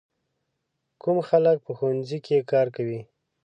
کوم خلک په ښوونځي کې کار کوي؟